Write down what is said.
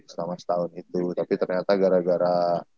selama setahun itu tapi ternyata gara gara